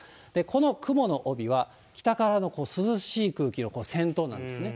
この雲の帯は、北からの涼しい空気の先頭なんですね。